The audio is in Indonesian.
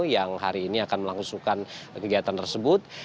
yang hari ini akan melangsungkan kegiatan tersebut